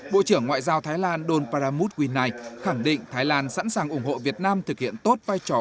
bộ trưởng ngoại giao thái lan don pramuth winai khẳng định thái lan sẵn sàng ủng hộ việt nam thực hiện tốt vai trò